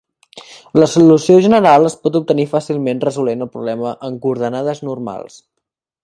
La solució general es pot obtenir fàcilment resolent el problema en coordenades normals.